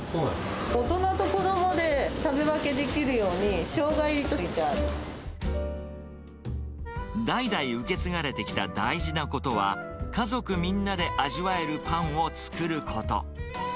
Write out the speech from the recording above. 大人と子どもで食べ分けできるように、代々受け継がれてきた大事なことは、家族みんなで味わえるパンを作ること。